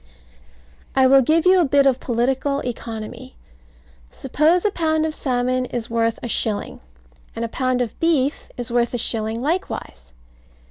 I will give you a bit of political economy. Suppose a pound of salmon is worth a shilling; and a pound of beef is worth a shilling likewise.